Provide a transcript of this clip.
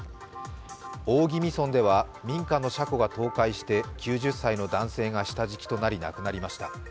大宜味村では民家の車庫が倒壊して９０歳の男性が下敷きとなり亡くなりました。